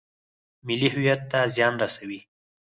ملي هویت ته زیان رسوي.